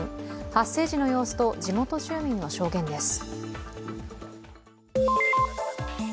発生時の様子と、地元住民の証言です。